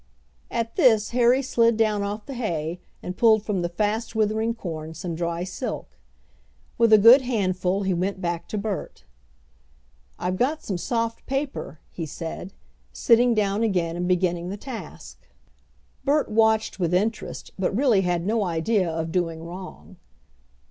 At this Harry slid down off the hay and pulled from the fast withering corn some dry silk. With a good handful he went back to Bert. "I've got some soft paper," he said, sitting down again and beginning the task. Bert watched with interest, but really had no idea of doing wrong.